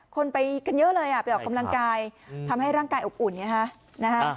คนไปกันเยอะเลยอ่ะไปออกกำลังกายทำให้ร่างกายอบอุ่นไงฮะนะฮะ